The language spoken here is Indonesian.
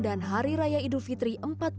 dan hari raya idul fitri empat belas